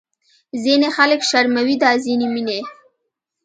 ځینې خلک شرموي دا ځینې مینې